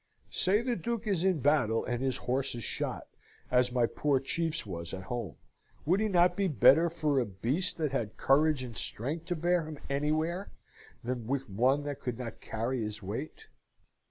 Say the Duke is in battle, and his horse is shot, as my poor chief's was at home, would he not be better for a beast that had courage and strength to bear him anywhere, than with one that could not carry his weight?"